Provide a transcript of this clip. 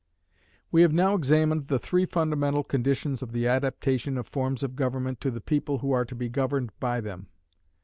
We have now examined the three fundamental conditions of the adaptation of forms of government to the people who are to be governed by them.